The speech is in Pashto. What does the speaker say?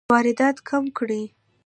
واردات کم کړئ